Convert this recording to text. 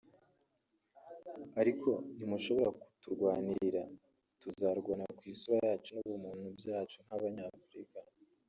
Ariko ntimushobora kuturwanirira […] tuzarwana ku isura yacu n’ubumuntu byacu nk’Abanyafurika